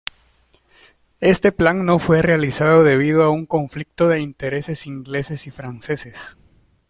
Este plan no fue realizado debido a un conflicto de intereses ingleses y franceses.